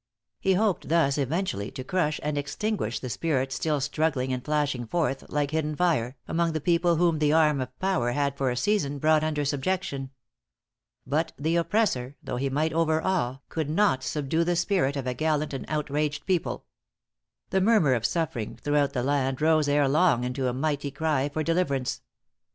He hoped thus eventually to crush and extinguish the spirit still struggling and flashing forth, like hidden fire, among the people whom the arm of power had for a season brought under subjection. But the oppressor, though he might overawe, could not subdue the spirit of a gallant and outraged people. The murmur of suffering throughout the land rose ere long into a mighty cry for deliverance.